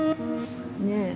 ねえ。